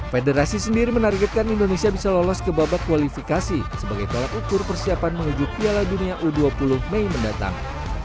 federasi sendiri menargetkan indonesia bisa lolos ke babak kualifikasi sebagai tolak ukur persiapan menuju piala dunia u dua puluh mei mendatang